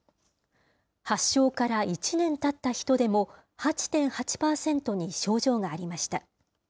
発症から１年たった人でも、８．８％に症状がありました。